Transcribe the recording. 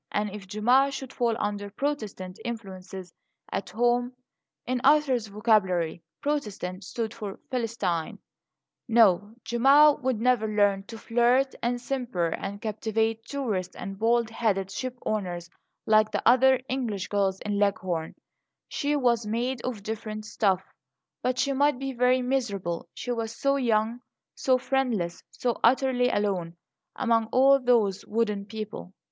And if Gemma should fall under "Protestant" influences at home (in Arthur's vocabulary "Protestant" stood for "Philistine") No, Gemma would never learn to flirt and simper and captivate tourists and bald headed shipowners, like the other English girls in Leghorn; she was made of different stuff. But she might be very miserable; she was so young, so friendless, so utterly alone among all those wooden people.